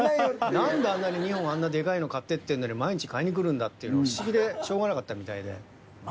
何であんなに２本あんなデカいの買ってってんのに毎日買いに来るんだっていうのが不思議でしょうがなかったみたいで。